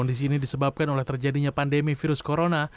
kondisi ini disebabkan oleh terjadinya pandemi virus corona